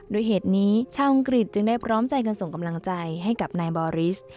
โดยเหตุนี้ชาวอังกฤษจึงได้พร้อมใจกันส่งกำลังใจให้กับนายบอริส